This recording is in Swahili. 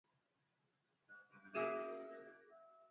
ladha ya viazi lishe inapendwa na wengi